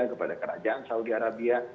kepada kerajaan saudi arabia